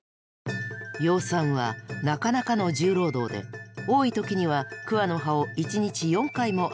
養蚕はなかなかの重労働で多い時には桑の葉を一日４回も与えなくてはならないそう。